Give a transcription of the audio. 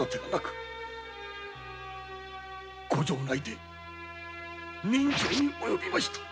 ご城内で刃傷におよびました。